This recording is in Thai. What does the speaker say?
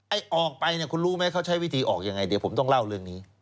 ออกไปเนี่ยคุณรู้ไหมเขาใช้วิธีออกยังไงเดี๋ยวผมต้องเล่าเรื่องนี้